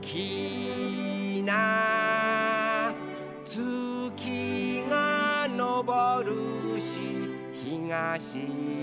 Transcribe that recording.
「つきがのぼるしひがしずむ」